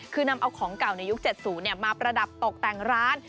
คือนำเอาของเก่าในยุคเจ็ดสูอุเนี่ยมาประดับตกแต่งร้าน